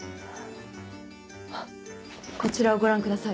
あっこちらをご覧ください。